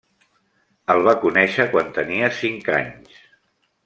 El va conèixer quan tenia cinc anys.